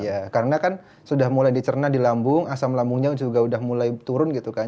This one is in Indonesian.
ya karena kan sudah mulai dicerna di lambung asam lambungnya juga sudah mulai turun gitu kan